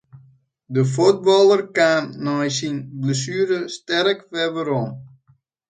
De fuotballer kaam nei syn blessuere sterk werom.